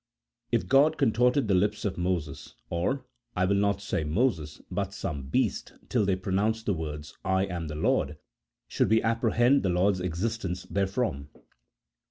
If God contorted the lips of Moses, or, I will not say Moses, but some beast, till they pronounced the words, " I am the Lord," should we apprehend the Lord's existence therefrom?